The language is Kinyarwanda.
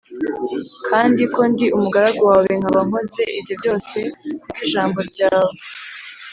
kandi ko ndi umugaragu wawe nkaba nkoze ibyo byose ku bw’ijambo ryawe